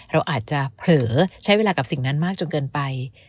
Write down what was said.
เราอาจจะเผลอใช้เวลากับสิ่งนั้นมากจนเกินไป